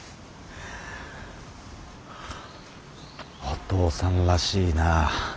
お父さんらしいな。